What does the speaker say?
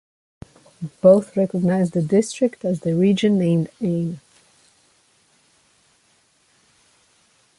Both recognize the district as the region named Ayn.